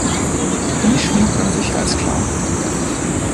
Wie schminkt man sich als Clown?